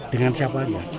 dengan siapa dia